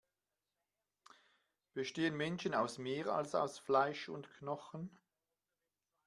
Bestehen Menschen aus mehr, als aus Fleisch und Knochen?